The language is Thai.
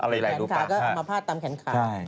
แขนขาก็เอามาพาดตามแขนขา